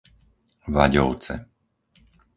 Vaďovce